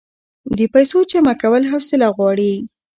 د پیسو جمع کول حوصله غواړي.